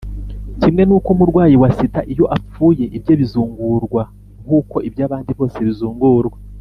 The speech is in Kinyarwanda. kimwe nuko umurwayi wa sida iyo apfuye, ibye bizungurwa nk’uko ibyabandi bose bizungurwa.